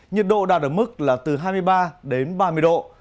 nhiệt độ đạt được mức là từ hai mươi ba ba mươi độ